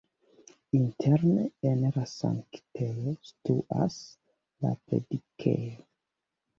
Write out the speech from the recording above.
Interne en la sanktejo situas la predikejo.